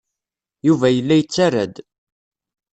Yuba yella yettarra-d.